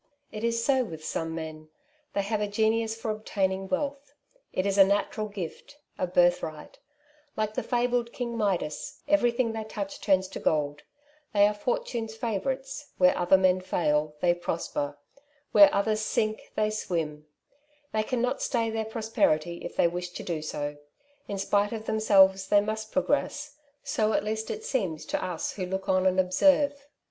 It is so with some men ; they have a genius for obtaining wealth ; it is a natural gift, a birthright; like the fabled king Midas, everything they touch turns to gold ; they are fortune^s favourites ; where other men fail, they prosper ; where others sink, they swim ; they cannot stay their prosperity if they wish to do so ; in spite of themselves they must progress, so at least it seems to us who look on and observe.